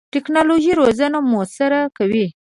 ټکنالوژي روزنه موثره کوي.